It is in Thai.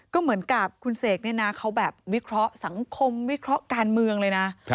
ก็เหมือนกับคุณเสกเนี่ยนะเขาแบบวิเคราะห์สังคมวิเคราะห์การเมืองเลยนะ